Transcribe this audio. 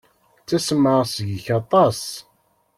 Ttasmeɣ seg-k aṭas.